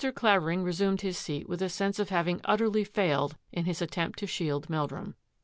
Clavering resumed his seat with a sense of having utterly failed in his attempt to shield Mel drum.